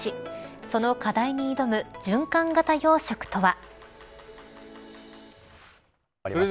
その課題に挑む循環型養殖とは。